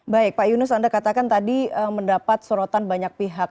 baik pak yunus anda katakan tadi mendapat sorotan banyak pihak